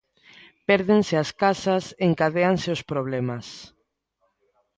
Pérdense as casas, encadéanse os problemas.